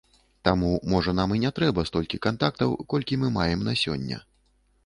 Таму, можа, нам і не трэба столькі кантактаў, колькі мы маем на сёння.